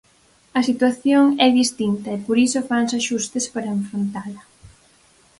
A situación é distinta e por iso fanse axustes para enfrontala.